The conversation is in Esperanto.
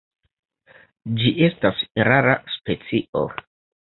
Ĝi estas rara specio.